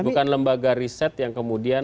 bukan lembaga riset yang kemudian